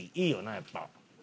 やっぱ。